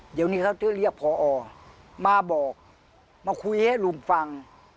เดี๋ยวนี้เขาจะเรียกพอมาบอกมาคุยให้ลุงฟัง